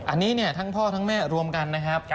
อันนี้เนี่ยทั้งพ่อทั้งแม่รวมกันนะครับ